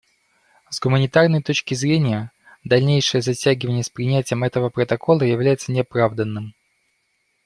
С гуманитарной точки зрения, дальнейшее затягивание с принятием этого протокола является неоправданным.